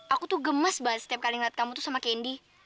aku tuh gemes banget setiap kali ngeliat kamu tuh sama kendi